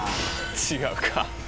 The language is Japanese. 違うか。